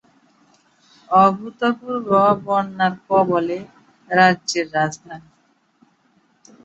অভূতপূর্ব বন্যার কবলে রাজ্যের রাজধানী।